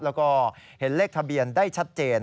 แล้วก็เห็นเลขทะเบียนได้ชัดเจน